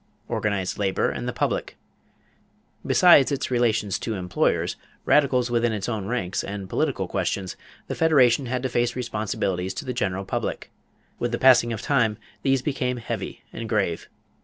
=Organized Labor and the Public.= Besides its relations to employers, radicals within its own ranks, and political questions, the Federation had to face responsibilities to the general public. With the passing of time these became heavy and grave.